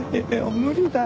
無理だよ。